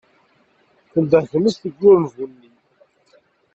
Tendeḥ tmes deg urenbu-nni.